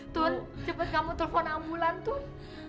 tuan cepat kamu telfon ambulan tuan